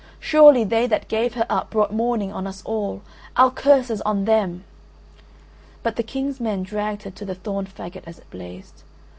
Surely they that gave her up brought mourning on us all—our curses on them!" But the King's men dragged her to the thorn faggot as it blazed.